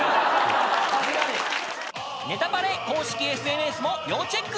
［『ネタパレ』公式ＳＮＳも要チェック。